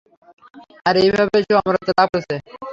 আর এভাবেই সে অমরত্ব লাভ করেছে।